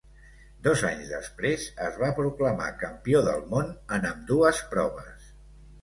Dos anys després es va proclamar campió del món en ambdues proves.